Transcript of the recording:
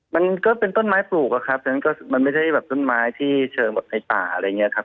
มันก็เป็นต้นไม้ปลูกอะครับดังนั้นก็มันไม่ใช่แบบต้นไม้ที่เชิงแบบในป่าอะไรอย่างนี้ครับ